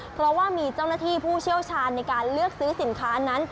เพราะว่ามีเจ้าหน้าที่ผู้เชี่ยวชาญในการเลือกซื้อสินค้านั้น